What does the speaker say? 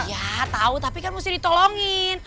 ya tau tapi kan mesti ditolongin